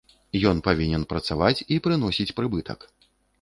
Ён павінен працаваць і прыносіць прыбытак.